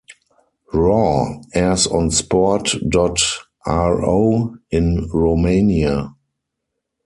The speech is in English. "Raw" airs on Sport.ro in Romania.